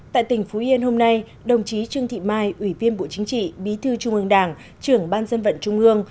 tại tỉnh phú yên hôm nay đồng chí trương thị mai ủy viên bộ chính trị bí thư trung ương đảng trưởng ban dân vận trung ương